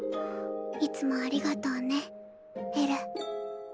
いつもありがとうねえる。